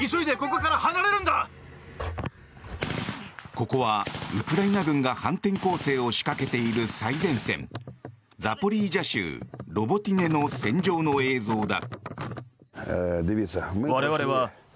ここは、ウクライナ軍が反転攻勢を仕掛けている最前線ザポリージャ州ロボティネの戦場の映像だ。